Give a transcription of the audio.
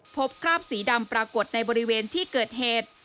คราบสีดำปรากฏในบริเวณที่เกิดเหตุ